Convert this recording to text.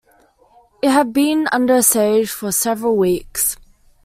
It had been under siege for several weeks.